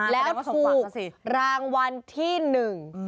แล้วถูกรางวัลที่หนึ่ง